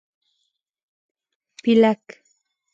🦃 پېلک